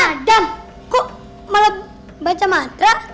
adam kok malah baca matra